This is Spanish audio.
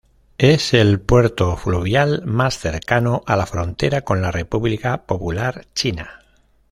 Es el puerto fluvial más cercano a la frontera con la República Popular China.